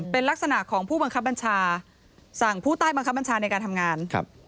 เป็นลักษณะของผู้บังคับบัญชาสั่งผู้ใต้บังคับบัญชาในการทำงาน